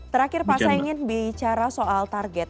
terakhir pak saya ingin bicara soal target